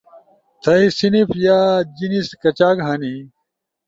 تھئی صنف یا جنس کچاک ہنی؟